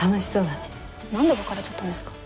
なんで別れちゃったんですか？